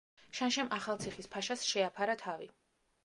შანშემ ახალციხის ფაშას შეაფარა თავი.